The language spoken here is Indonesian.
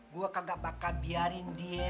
gue kagak bakal biarin dia